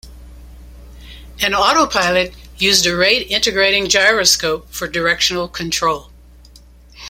An autopilot used a Rate integrating gyroscope for directional control.